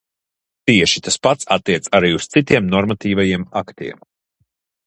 Tieši tas pats attiecas arī uz citiem normatīvajiem aktiem.